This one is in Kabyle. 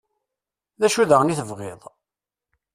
D acu daɣen i tebɣiḍ?